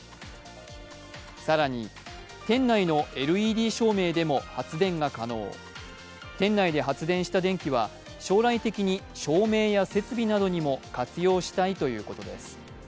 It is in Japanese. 更に店内のＬＥＤ照明でも発電が可能店内で発電した電気は将来的に照明や設備などにも活用したいということです。